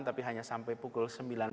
tapi hanya sampai pukul sembilan belas